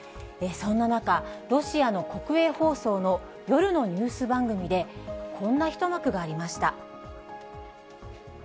そんな中、ロシアの国営放送の夜のニュース番組で、こんな一幕がありました。